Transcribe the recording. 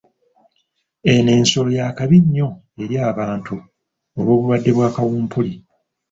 Eno ensolo ya kabi nnyo eri abantu olw'obulwadde bwa kawumpuli.